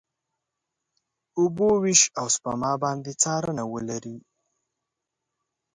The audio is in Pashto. اوبو وېش، او سپما باندې څارنه ولري.